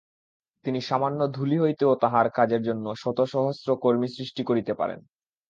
তিনি সামান্য ধূলি হইতেও তাঁহার কাজের জন্য শত সহস্র কর্মী সৃষ্টি করিতে পারেন।